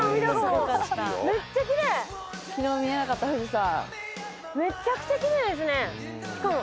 昨日見えなかった富士山。